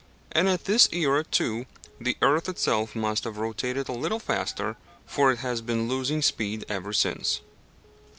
And at this era, too, the earth itself must have rotated a little faster, for it has been losing speed ever since.